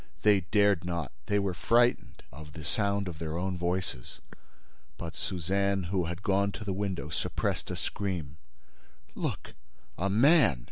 They dared not; they were frightened of the sound of their own voices. But Suzanne, who had gone to the window, suppressed a scream: "Look!—A man!